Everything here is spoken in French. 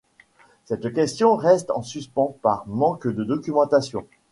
Cette question reste en suspens par manque de documentation.